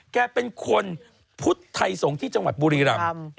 แกเป็นคนพุทธไทยสงฆ์ที่จังหวัดบุรีรำ